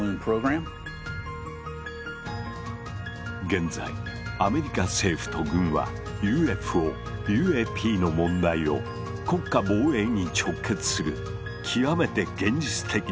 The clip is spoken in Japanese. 現在アメリカ政府と軍はＵＦＯＵＡＰの問題を国家防衛に直結する極めて現実的な文脈で語っているのだ。